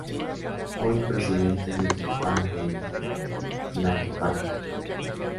Hoy presidente municipal de Tlaquepaque